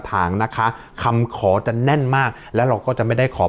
ทางนะคะคำขอจะแน่นมากแล้วเราก็จะไม่ได้ขอ